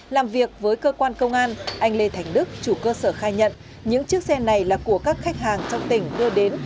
làm việc với cơ quan công an anh lê thành đức chủ cơ sở khai nhận những chiếc xe này là của các khách hàng trong tỉnh đưa đến